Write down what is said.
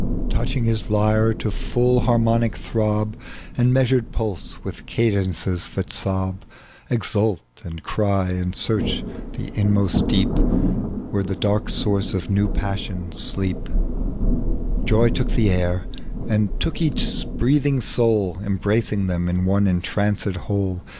Touching his lyre to iiill harmonic throb And measured pulse, with eadences that sob, Exuit and cry, and search the inmost deep Where the dark sources of new passion sleep, Joy took the air, and took each breathing soui, Embracing them in one entranced whole.